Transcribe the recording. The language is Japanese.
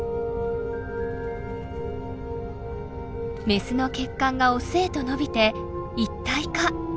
メスの血管がオスへと伸びて一体化。